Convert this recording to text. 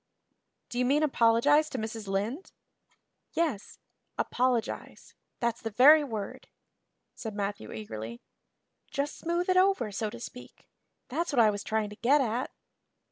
"Do you mean apologize to Mrs. Lynde?" "Yes apologize that's the very word," said Matthew eagerly. "Just smooth it over so to speak. That's what I was trying to get at."